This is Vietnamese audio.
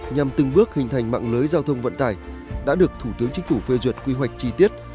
nhằm từng bước hình thành mạng lưới giao thông vận tải đã được thủ tướng chính phủ phê duyệt quy hoạch chi tiết